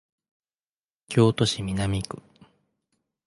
京都市南区